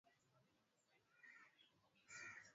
kijeshi Lakini kinasikika pia kama lugha ya